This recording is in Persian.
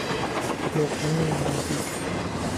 لقمه ماهی